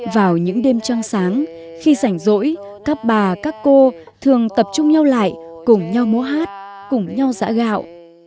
vào những đêm trăng sáng khi rảnh rỗi các bà các cô thường tập trung nhau lại cùng nhau múa hát cùng nhau giã gạo